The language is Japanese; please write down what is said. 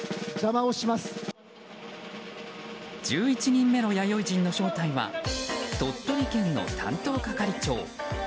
１１人目の弥生人の正体は鳥取県の担当係長。